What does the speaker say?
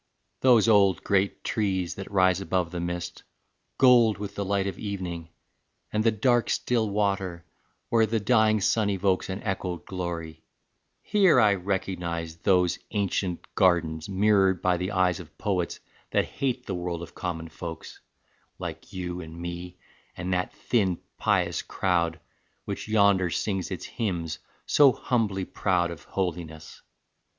Those old great trees that rise above the mist, Gold with the light of evening, and the dark Still water, where the dying sun evokes An echoed glory here I recognize Those ancient gardens mirrored by the eyes Of poets that hate the world of common folks, Like you and me and that thin pious crowd, Which yonder sings its hymns, so humbly proud Of holiness.